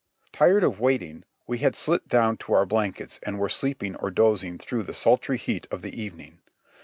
Tired of waiting, we had slipped down to our blankets and were sleeping or dozing through the sultry heat of the even ing.